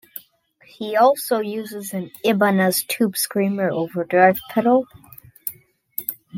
He also uses an Ibanez Tube Screamer overdrive pedal.